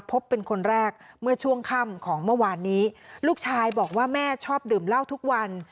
พบเป็นคนแรกเมื่อช่วงค่ำของเมื่อวานนี้ลูกชายบอกว่าแม่ชอบดื่มเหล้าทุกวัน